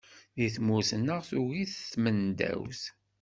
Di tmurt-nneɣ tugi-t tmendawt.